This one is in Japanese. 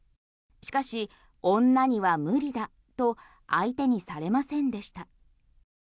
しかし、女には無理だと相手にされませんでした。